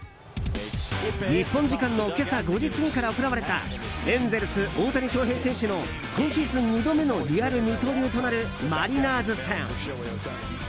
日本時間今朝５時過ぎから行われたエンゼルス、大谷翔平選手の今シーズン２度目のリアル二刀流となるマリナーズ戦。